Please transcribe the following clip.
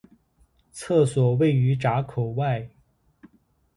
厕所位于闸口外。